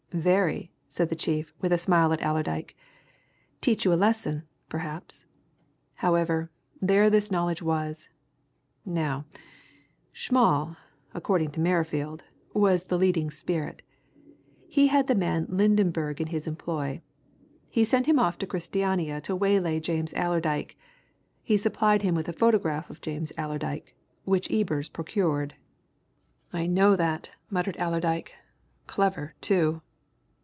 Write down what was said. "Very!" said the chief, with a smile at Allerdyke "Teach you a lesson, perhaps. However, there this knowledge was. Now, Schmall, according to Merrifield, was the leading spirit. He had the man Lydenberg in his employ. He sent him off to Christiania to waylay James Allerdyke: he supplied him with a photograph of James Allerdyke, which Ebers procured." "I know that!" muttered Allerdyke. "Clever, too!"